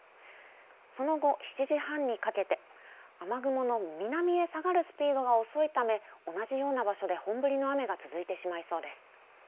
その後、７時半にかけて雨雲の南へ下がるスピードが遅いため同じような場所で本降りの雨が続いてしまいそうです。